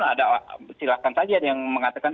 ada silakan saja ada yang mengatakan